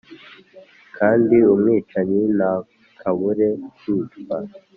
kandi umwicanyi ntakabure kwicwa